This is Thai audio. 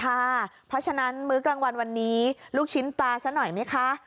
เพราะฉะนั้นมื้อกลางวันวันนี้ลูกชิ้นปลาซะหน่อยไหมคะ